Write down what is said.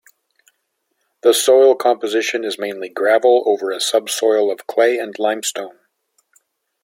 The soil composition is mainly gravel over a subsoil of clay and limestone.